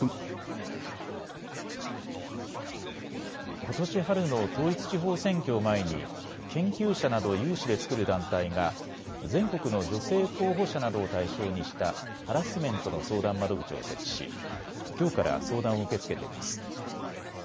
ことし春の統一地方選挙を前に研究者など有志で作る団体が全国の女性候補者などを対象にしたハラスメントの相談窓口を設置し、きょうから相談を受け付けています。